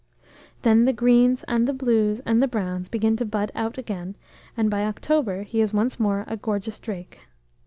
Then the greens, and the blues, and the browns begin to bud out again, and by October he is once more a gorgeous drake.